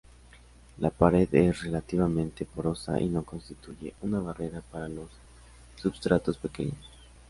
La pared es relativamente porosa y no constituye una barrera para los substratos pequeños.